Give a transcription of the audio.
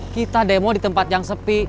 kita demo di tempat yang sepi